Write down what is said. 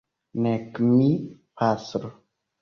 Nek mi, pastro.